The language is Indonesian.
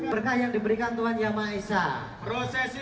berkah yang diberikan tuhan yama esa